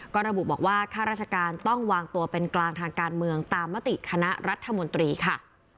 ก็ระบุบอกว่าข้าราชการต้องวางตัวเป็นกลางทางการเมืองตามมติคณะรัฐมนตรีค่ะ